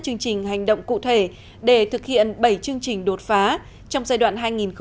bảy chương trình đột phá trong giai đoạn hai nghìn một mươi sáu hai nghìn hai mươi